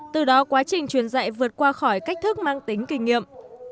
từ đó quá trình truyền dạy vượt qua khỏi cách thức mang tính kinh nghiệm